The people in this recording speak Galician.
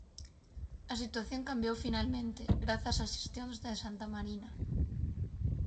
A situación cambiou finalmente, grazas ás xestións de Santamarina.